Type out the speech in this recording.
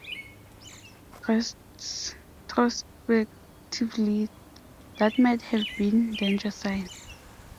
Retrospectively, that might have been a danger sign.